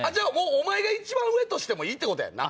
お前が一番上としてもいいってことやんな？